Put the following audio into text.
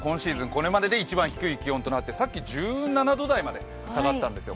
これまでで一番低い気温となっていてさっき１７度台まで下がったんですよ。